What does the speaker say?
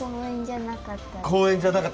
公園じゃなかった。